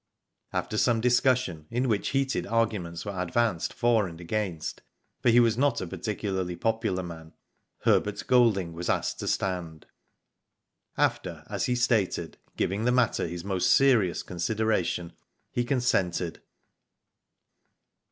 After some discussion, in which heated argu ments were advanced for and against, for he was not a particularly popular man, Herbert Golding was asked to stand. After, as he stated, giving the matter his most serious consideration, he consented.